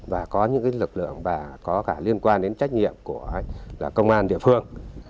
và có những lực lượng liên quan đến trách nhiệm của công an địa phương